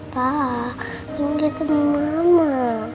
pa mau ketemu mama